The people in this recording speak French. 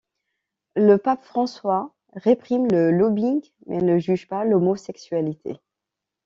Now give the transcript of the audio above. Le pape François réprime le lobbying mais ne juge pas l'homosexualité.